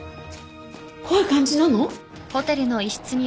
怖い感じなの？